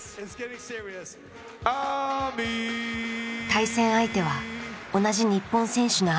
対戦相手は同じ日本選手のＡＭＩ。